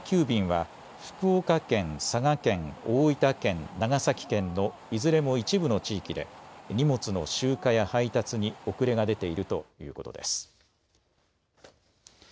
また、佐川急便は福岡県、佐賀県、大分県長崎県のいずれも一部の地域で荷物の集荷や配達に遅れが出ているということです。